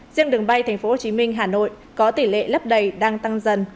riêng đường bay tp hcm hà nội có tỷ lệ lấp đầy đang tăng dần